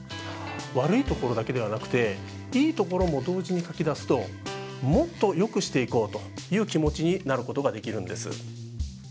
悪い所だけではなくていい所も同時に書き出すともっとよくしていこうという気持ちになることができるんです。